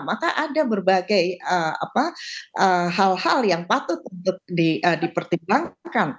maka ada berbagai hal hal yang patut untuk dipertimbangkan